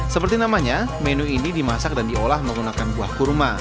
seperti namanya menu ini dimasak dan diolah menggunakan buah kurma